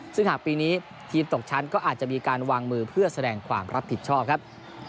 ซึ่งหากปีนี้ทีมตกชั้นก็อาจจะมีการวางมือเพื่อแสดงความรับผิดชอบครับ